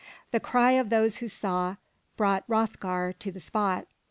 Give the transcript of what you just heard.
The cry of those who saw, brought Hrothgar to the spot.